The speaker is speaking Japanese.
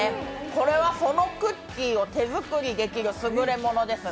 これはそのクッキーを手作りできるすぐれものです。